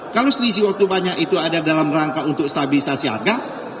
kalau selisih waktu banyak itu ada dalam rangka untuk stabilisasi harga